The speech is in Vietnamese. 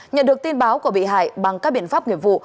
nhận được tin báo của bị hại bằng các biện pháp nghiệp vụ